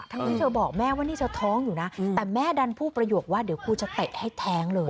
ที่เธอบอกแม่ว่านี่เธอท้องอยู่นะแต่แม่ดันพูดประโยคว่าเดี๋ยวกูจะเตะให้แท้งเลย